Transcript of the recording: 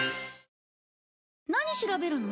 何調べるの？